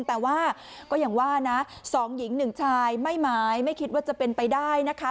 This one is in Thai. แต่ว่าก็อย่างว่านะสองหญิงหนึ่งชายไม่หมายไม่คิดว่าจะเป็นไปได้นะคะ